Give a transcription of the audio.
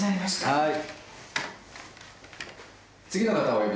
はい。